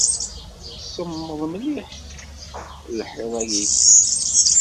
Semmeḍ mliḥ lḥiḍ-ayi.